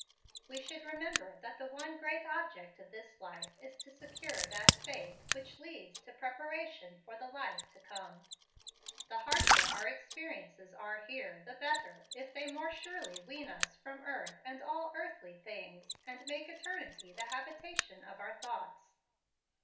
We should remember that the one great object of this life is to secure that faith which leads to preparation for the life to come. The harsher our experiences are here, the better, if they more surely wean us from earth and all earthly things, and make eternity the habitation of our thoughts.